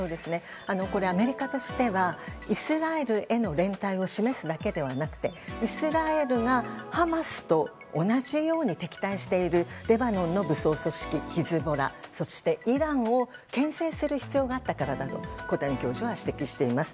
これ、アメリカとしてはイスラエルへの連帯を示すだけではなくてイスラエルがハマスと同じように敵対しているレバノンの武装組織ヒズボラそして、イランを牽制する必要があったからだと小谷教授は指摘しています。